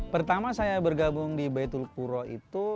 pertama saya bergabung di baitul kuro itu